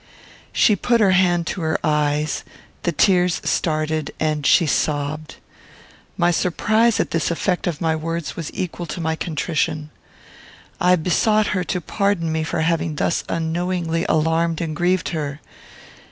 She put her hand to her eyes, the tears started, and she sobbed. My surprise at this effect of my words was equal to my contrition. I besought her to pardon me for having thus unknowingly alarmed and grieved her.